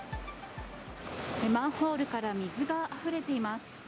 マンホールから水があふれています。